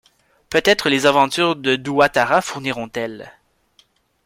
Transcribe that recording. Peut-être les aventures de Doua-Tara fourniront-elles